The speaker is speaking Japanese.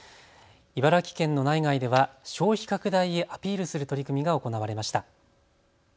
茨城県の内外では消費拡大へアピールする取り組みが行われました。